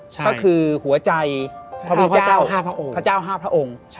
ก็คือหัวใจพระพระองค์